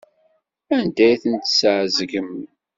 Anda ay ten-tesɛeẓgem?